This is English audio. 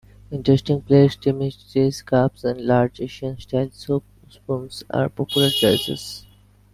Interesting plates, demitasse cups, and large Asian-style soup spoons are popular choices.